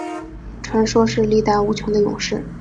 传说是力大无穷的勇士。